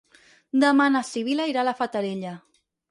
Demà na Sibil·la irà a la Fatarella.